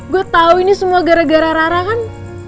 gue tahu ini semua gara gara rara kan